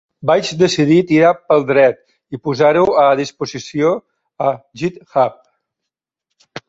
Vaig decidir tirar pel dret i posar-ho a disposició a GitHub.